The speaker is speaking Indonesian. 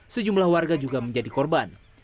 sejumlah warga juga menjadi korban